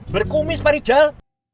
berkumis pak rijal